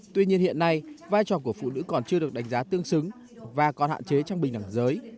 tuy nhiên hiện nay vai trò của phụ nữ còn chưa được đánh giá tương xứng và còn hạn chế trong bình đẳng giới